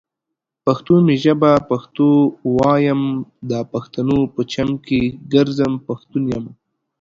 پښتو می ژبه پښتو وايم، دا پښتنو په چم کې ګرځم ، پښتون يمه